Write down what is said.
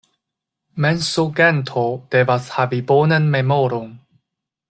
Mensoganto devas havi bonan memoron.